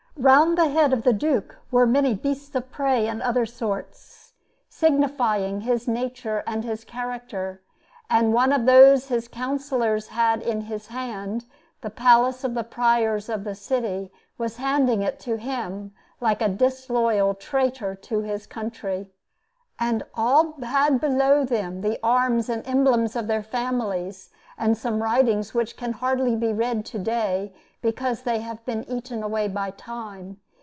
Round the head of the Duke were many beasts of prey and other sorts, signifying his nature and his character; and one of those his counsellors had in his hand the Palace of the Priors of the city, and was handing it to him, like a disloyal traitor to his country. And all had below them the arms and emblems of their families, and some writings which can hardly be read to day because they have been eaten away by time.